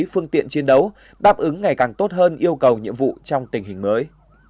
phương tiện chiến đấu đáp ứng ngày càng tốt hơn yêu cầu nhiệm vụ trong tình hình mới